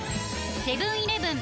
セブン−イレブン